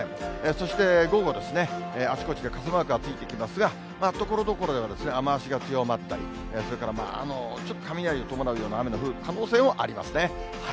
そして午後ですね、あちこちで傘マークがついてきますが、ところところでは雨足が強まったり、それからちょっと雷を伴うような雨の降る可能性はありますね。